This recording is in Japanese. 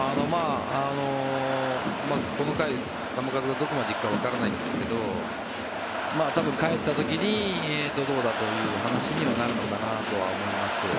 この回、球数がどこまで行くかわからないんですが多分、かえった時にどうだという話にはなるのかなと思います。